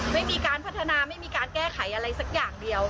ไม่มีการพัฒนาไม่มีการแก้ไขอะไรสักอย่างเดียว